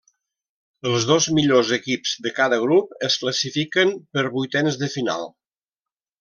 Els dos millors equips de cada grup es classifiquen per vuitens de final.